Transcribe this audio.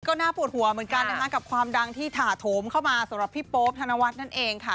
ก็น่าปวดหัวเหมือนกันนะคะกับความดังที่ถาโถมเข้ามาสำหรับพี่โป๊ปธนวัฒน์นั่นเองค่ะ